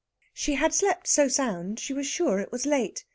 She had slept so sound she was sure it was late.